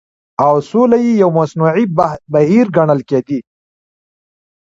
او سوله يو مصنوعي بهير ګڼل کېدی